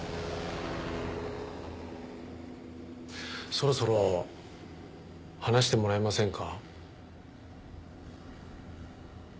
そろそろ話してもらえませんか？